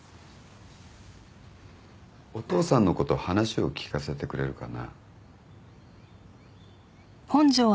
お父さんのこと話を聞かせてくれるかな。